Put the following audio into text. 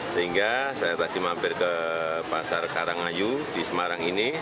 sehingga saya tadi mampir ke pasar karangayu di semarang ini